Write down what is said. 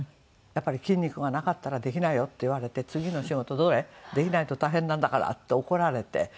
やっぱり「筋肉がなかったらできないよ」って言われて「次の仕事どれ？できないと大変なんだから」って怒られて。